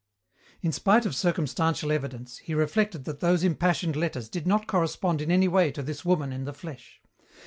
In spite of circumstantial evidence, he reflected that those impassioned letters did not correspond in any way to this woman in the flesh.